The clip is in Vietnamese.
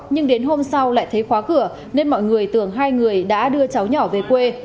nhưng đến hôm sau lại thấy khóa cửa nên mọi người tưởng hai người đã đưa cháu nhỏ về quê